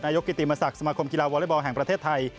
นายกกิติมสักสมาคมกีฬาวอเลอร์บอลแห่งประเทศไทย